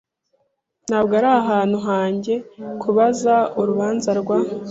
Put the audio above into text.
Ntabwo ari ahantu hanjye kubaza urubanza rwa .